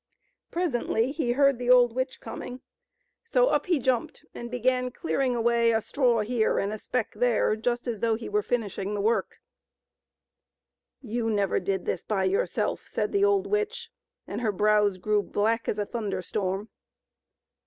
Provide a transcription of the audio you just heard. Presently he heard the old witch coming, so up he ^e )9^fncrcome9tot^olb,t^m 236 THE SWAN MAIDEN. jumped and began clearing away a straw here and a speck there, just as though he were finishing the work. " You never did this by yourself !" said the old witch, and her brows grew as black as a thunder storm.